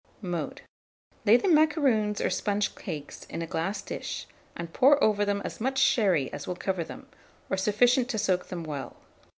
Mode. Lay the macaroons or sponge cakes in a glass dish, and pour over them as much sherry as will cover them, or sufficient to soak them well.